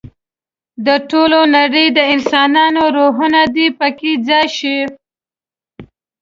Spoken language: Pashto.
د ټولې نړۍ د انسانانو روحونه دې په کې ځای شي.